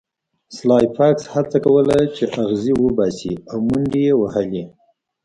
سلای فاکس هڅه کوله چې اغزي وباسي او منډې یې وهلې